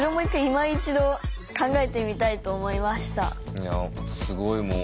いやすごいもう。